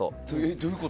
どういうこと？